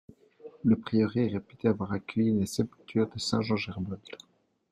Le prieuré est réputé avoir accueilli la sépulture de Saint-Gerbold.